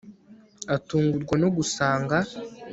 atungurwa no gusanga……… …………